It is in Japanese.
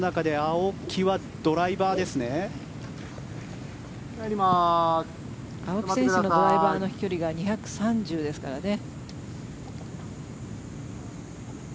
青木選手のドライバーの飛距離がど真ん中ですね。